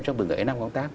trong từng ngày năm công tác